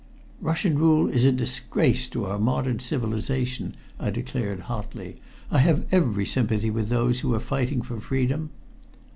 "Russian rule is a disgrace to our modern civilization," I declared hotly. "I have every sympathy with those who are fighting for freedom."